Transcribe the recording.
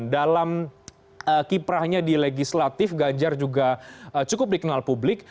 dalam kiprahnya di legislatif ganjar juga cukup dikenal publik